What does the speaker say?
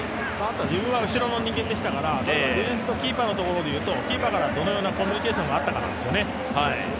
自分は後ろの人間でしたからディフェンスとキーパーのところからいうとキーパーからどのようなコミュニケーションがあったかなんですよ。